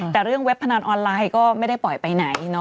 แต่เรื่องเว็บพนันออนไลน์ก็ไม่ได้ปล่อยไปไหน